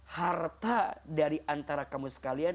harta dari antara kamu sekalian